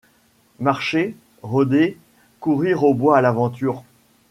Marcher, rôder, courir au bois à l’aventure.